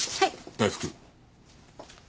大福。